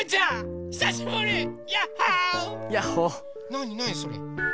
なになにそれ？